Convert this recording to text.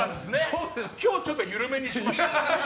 今日ちょっと緩めにしました。